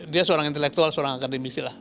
dia seorang intelektual seorang akademisi lah